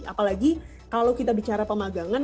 apalagi kalau kita bicara pemagangan